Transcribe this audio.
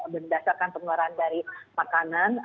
berdasarkan pengeluaran dari makanan